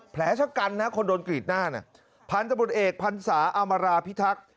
แผลชะกันนะคนโดนกรีดหน้าน่ะพันธบทเอกพันศาอามราพิทักษ์